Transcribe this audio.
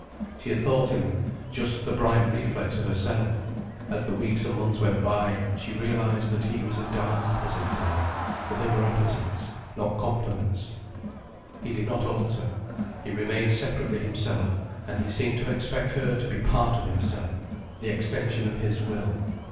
She had thought him just the bright reflex of herself. As the weeks and months went by she realized that he was a dark opposite to her, that they were opposites, not complements. He did not alter, he remained separately himself, and he seemed to expect her to be part of himself, the extension of his will.